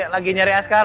lagi nyari askara